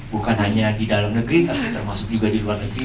bukan hanya di dalam negeri tapi termasuk juga di luar negeri